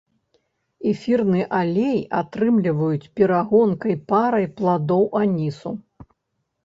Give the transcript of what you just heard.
Эфірны алей атрымліваюць перагонкай парай пладоў анісу.